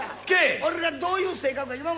俺がどういう性格か